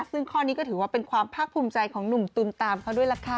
ซึ่งข้อนี้ก็ถือว่าเป็นความภาคภูมิใจของหนุ่มตุมตามเขาด้วยล่ะค่ะ